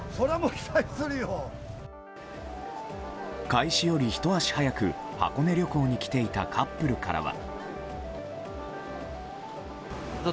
開始よりひと足早く箱根旅行に来ていたカップルからは。